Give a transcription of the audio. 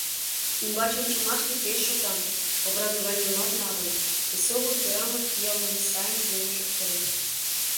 Ӱмбач ончымаште пеш шотан, образованийымат налын, эсогыл тӧрамыт йылмым сайын тунем шуктен.